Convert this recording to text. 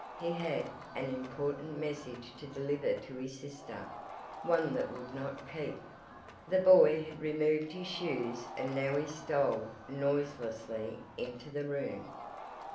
He had an important message to deliver to his sister, one that "would not keep." The boy had removed his shoes and now he stole noiselessly into the room.